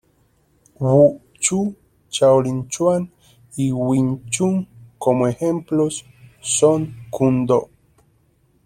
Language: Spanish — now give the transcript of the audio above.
Wu Shu, Shaolin Chuan y Wing Chung, como ejemplos, son Kun Do.